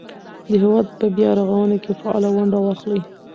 د هېواد په بیا رغونه کې فعاله ونډه واخلئ.